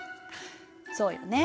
そうよね